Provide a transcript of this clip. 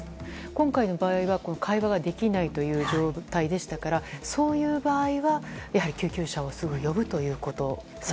今回の場合は会話ができない状態でしたからそういう場合はやはり救急車をすぐに呼ぶと。